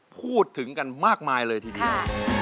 พูดถึงกันมากมายเลยทีเดียว